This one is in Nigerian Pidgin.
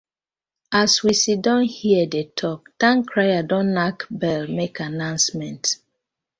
As we siddon here dey tok, towncrier dey nack bell mak annoucement.